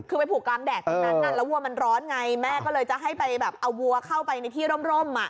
คือไปผูกกลางแดดตรงนั้นแล้ววัวมันร้อนไงแม่ก็เลยจะให้ไปแบบเอาวัวเข้าไปในที่ร่ม